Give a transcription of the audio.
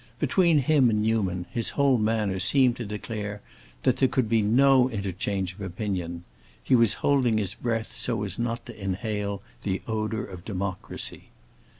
Between him and Newman, his whole manner seemed to declare there could be no interchange of opinion; he was holding his breath so as not to inhale the odor of democracy.